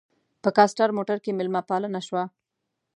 په کاسټر موټر کې مېلمه پالنه شوه.